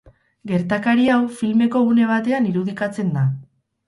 Gertakari hau filmeko une batean irudikatzen da.